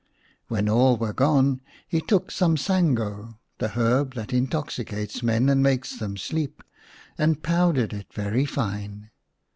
When all were gone he took some sango, the herb that intoxicates men and makes them sleep, 22 ii And the Magic Song and powdered it very fine.